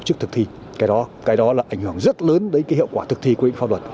tổ chức thực thi cái đó là ảnh hưởng rất lớn đến cái hiệu quả thực thi của quy định pháp luật